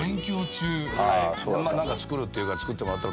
「何か作るって言うから作ってもらったら」